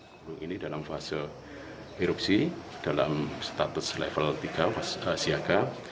gunung ini dalam fase erupsi dalam status level tiga siaga